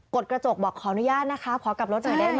ดกระจกบอกขออนุญาตนะคะขอกลับรถหน่อยได้ไหม